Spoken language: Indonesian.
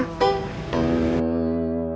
ibu kamu diperhentikan